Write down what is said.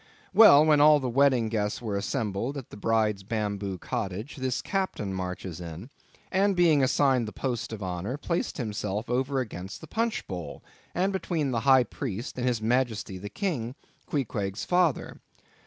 Well; when all the wedding guests were assembled at the bride's bamboo cottage, this Captain marches in, and being assigned the post of honor, placed himself over against the punchbowl, and between the High Priest and his majesty the King, Queequeg's father.